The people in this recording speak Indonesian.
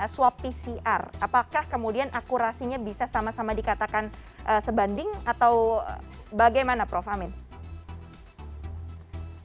swab pcr apakah kemudian akurasinya bisa sama sama dikatakan sebanding atau bagaimana prof amin